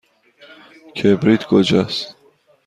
کبریت کجاست؟